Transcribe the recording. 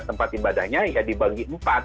tempat ibadahnya ya dibagi empat